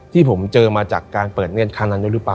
ที่ผมเจอมาจากการเปิดเรียนครั้งนั้นด้วยหรือเปล่า